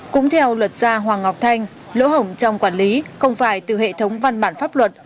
cũng theo luật gia hoàng ngọc thanh lỗ hổng trong quản lý không phải từ hệ thống văn bản pháp luật